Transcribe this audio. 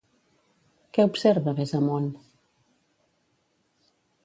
Què observa més amunt?